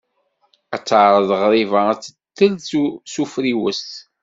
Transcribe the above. Ad teɛreḍ ɣriba ad ten-tels s ufriwes